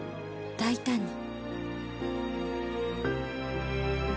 大胆に。